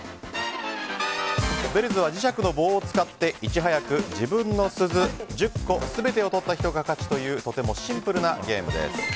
ＢＥＬＬＺ！は磁石の棒を使っていち早く自分の鈴１０個全てを取った人が勝ちというとてもシンプルなゲームです。